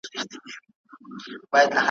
پداسي حال کي چي موږ زيات يو.